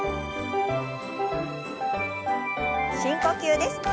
深呼吸です。